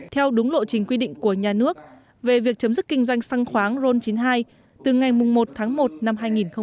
theo đúng lộ trình quy định của nhà nước về việc chấm dứt kinh doanh xăng khoáng ron chín mươi hai từ ngày một tháng một năm hai nghìn hai mươi